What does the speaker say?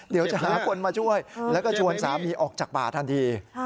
เดี๋ยวจะหาคนมาช่วยแล้วก็ชวนสามีออกจากป่าทันที